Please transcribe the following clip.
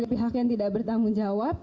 pihak yang tidak bertanggung jawab